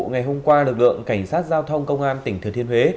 ngày hôm qua lực lượng cảnh sát giao thông công an tỉnh thừa thiên huế